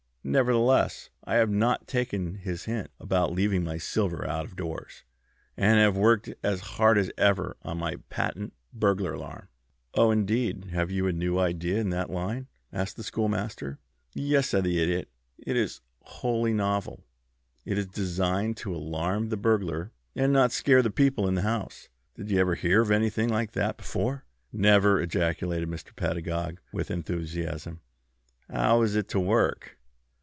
"Nevertheless, I have not taken his hint about leaving my silver out of doors, and have worked as hard as ever on my patent burglar alarm." "Oh, indeed! Have you a new idea in that line?" asked the Schoolmaster. "Yes," said the Idiot. "It is wholly novel. It is designed to alarm the burglar, and not scare the people in the house. Did you ever hear of anything like that before?" "Never!" ejaculated Mr. Pedagog, with enthusiasm. "How is it to work?"